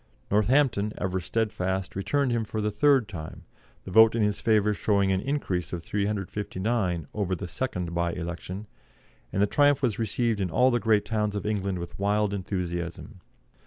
Northampton, ever steadfast, returned him for the third time the vote in his favour showing an increase of 359 over the second bye election and the triumph was received in all the great towns of England with wild enthusiasm.